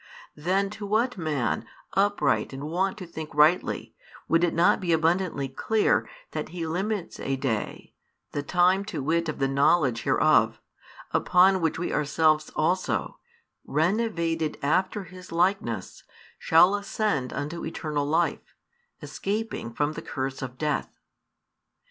Then to what man, upright and wont to think rightly, would it not be abundantly clear, that He limits a day, the time to wit of the knowledge hereof, upon which we ourselves also, renovated after His likeness, shall ascend unto eternal life, escaping from the curse of death?